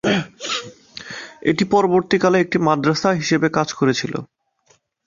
এটি পরবর্তীকালে একটি "মাদ্রাসা" হিসাবে কাজ করেছিল।